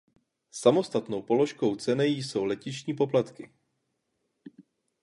Samostatnou položkou ceny jsou letištní poplatky.